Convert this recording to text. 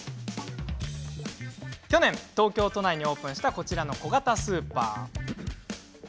昨年、東京都内にオープンしたこちらの小型スーパー。